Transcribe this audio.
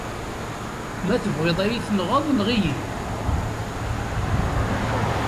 Ma tebɣiḍ ad yi-tenɣeḍ, enɣ-iyi.